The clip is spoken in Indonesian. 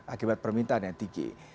akibat permintaan yang tinggi